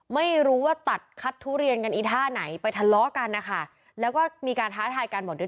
ไม่รู้ว่าตัดคัดทุเรียนกันอีท่าไหนไปทะเลาะกันนะคะแล้วก็มีการท้าทายกันบอกด้วย